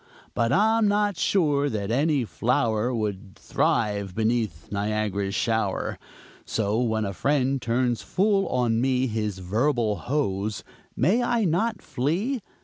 But I'm not sure that any flower Would thrive beneath Niagara's shower! So when a friend turns full on me His verbal hose, may I not flee?